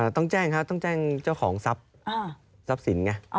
ต้องแจ้งครับต้องแจ้งเจ้าของทรัพย์สินไง